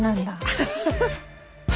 ハハハハ。